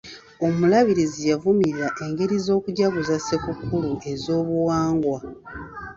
Omulabirizi yavumirira engeri z'okujaguza ssekukulu ez'obuwangwa.